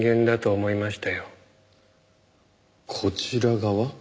こちら側？